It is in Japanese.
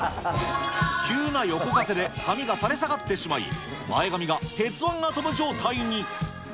急な横風で髪が垂れ下がってしまい、前髪が鉄腕アトム状態に。